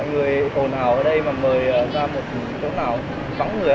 chú ơi nó chân tự công cộng đấy